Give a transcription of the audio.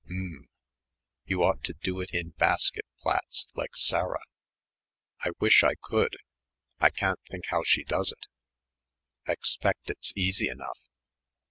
"Mm." "You ought to do it in basket plaits like Sarah." "I wish I could. I can't think how she does it." "Ike spect it's easy enough."